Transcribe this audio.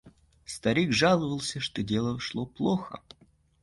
Старик жаловался, что дело шло плохо.